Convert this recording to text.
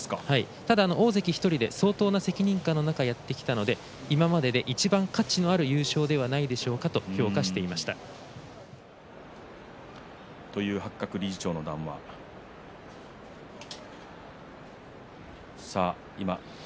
ただ、大関１人で相当の責任感の中やってきたので今まででいちばん価値のある優勝では八角理事長の談話でした。